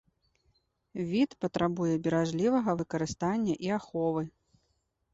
Від патрабуе беражлівага выкарыстання і аховы.